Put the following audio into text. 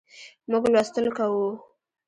موږ لوستل کوو